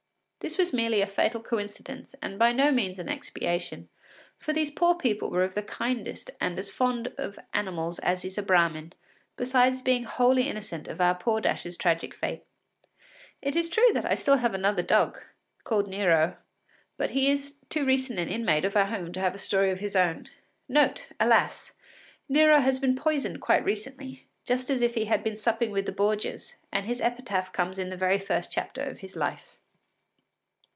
This was merely a fatal coincidence and by no means an expiation, for these people were of the kindest and as fond of animals as is a Brahmin, besides being wholly innocent of our poor Dash’s tragic fate. It is true that I have still another dog, called Nero, but he is too recent an inmate of our home to have a story of his own. (NOTE. Alas! Nero has been poisoned quite recently, just as if he had been supping with the Borgias, and his epitaph comes in the very first chapter of his life.)